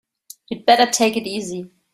You'd better take it easy.